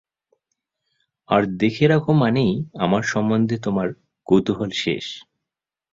আর দেখে রাখো মানেই আমার সম্বন্ধে তোমার কৌতুহল শেষ।